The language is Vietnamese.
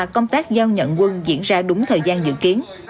công tác giao nhận quân diễn ra đúng thời gian dự kiến